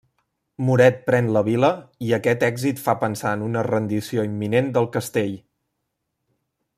Muret pren la vila, i aquest èxit fa pensar en una rendició imminent del castell.